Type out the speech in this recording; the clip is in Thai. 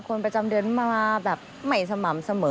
คนประจำเดือนมาไม่สม่ำเสมอ